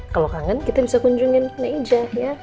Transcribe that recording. kalau kangen kita bisa kunjungin nek ija ya